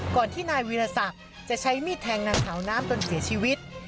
ก่อนที่นายวิรสักจะใช้มีดแทงนางสาวน้ำจนเสียชีวิต